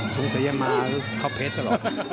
สงสัยยังมาเข้าเพชรตลอด